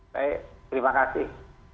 baik terima kasih